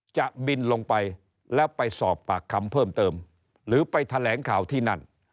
จะบินลงไปแล้วไปสอบปากคำเพิ่มเติมหรือไปแถลงข่าวที่นั่น